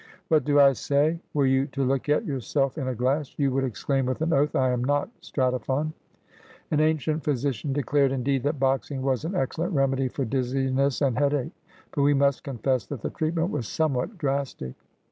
What do I say? Were you to look at yourself in a glass, you would exclaim with an oath, I am not Stratophon." An ancient physician declared, indeed, that boxing was an excellent remedy for dizziness and headache, but we must confess that the treatment was somewhat drastic.